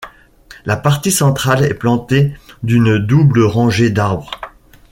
La partie centrale est plantée d'une double rangée d'arbres.